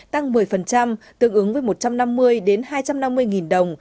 tăng một mươi tương ứng với một trăm năm mươi đến hai trăm năm mươi